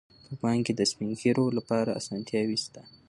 په بانک کې د سپین ږیرو لپاره اسانتیاوې شته.